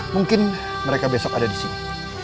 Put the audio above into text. mungkin mereka besok ada disini